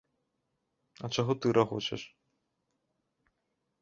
А чаго ты рагочаш?